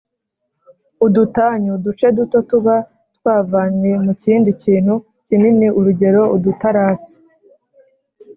udutanyu: uduce duto tuba twavanywe mu kindi kintu kinini urugero: udutarasi